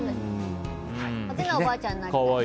派手なおばあちゃんになりたい。